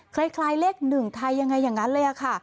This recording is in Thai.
คล้ายเลข๑ไทยยังไงอย่างนั้นเลยค่ะ